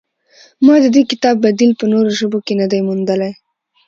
ما د دې کتاب بدیل په نورو ژبو کې نه دی موندلی.